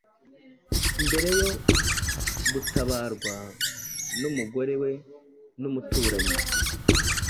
mbere yo gutabarwa n’umugore we n’umuturanyi